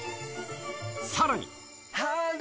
さらに。